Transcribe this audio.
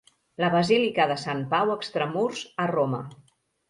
La basílica de Sant Pau extramurs, a Roma.